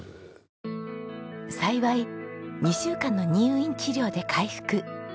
幸い２週間の入院治療で回復。